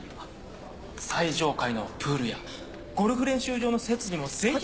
最上階のプールやゴルフ練習場の設備もぜひ。